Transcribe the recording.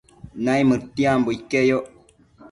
Naimëdtiambo iqueyoc